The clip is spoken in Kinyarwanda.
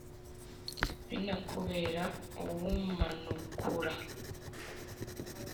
biranakubera uwumanukura